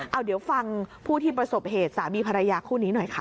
เอาเดี๋ยวฟังผู้ที่ประสบเหตุสามีภรรยาคู่นี้หน่อยค่ะ